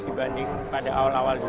dibanding pada awal awal dulu